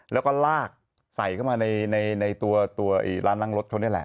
เราก็ลากใส่เข้ามาในในในในตัวตัวอีกล้านล้างรถเขาเนี่ยแหละ